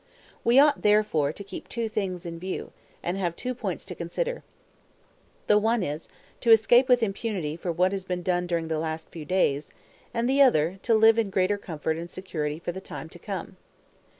We ought therefore to keep two things in view, and have two points to consider; the one is, to escape with impunity for what has been done during the last few days, and the other, to live in greater comfort and security for the time to come.